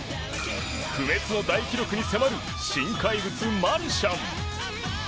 不滅の大記録に迫る新怪物、マルシャン。